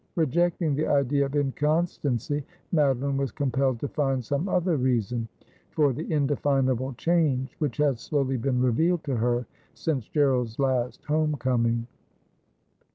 Rejecting the idea of inconstancy, Madeline was compelled to find some other reason for the indefinable change which had slowly been revealed to her since Gerald's last home coming.